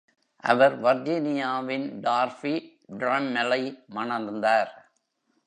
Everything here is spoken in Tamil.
அவர் வர்ஜீனியாவின் டார்பி டிராம்மெலை மணந்தார்.